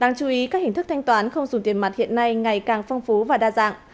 đáng chú ý các hình thức thanh toán không dùng tiền mặt hiện nay ngày càng phong phú và đa dạng